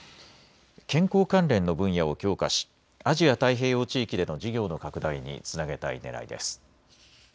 健康関連の分野を強化しアジア太平洋地域での事業の拡大につなげたいねらいです。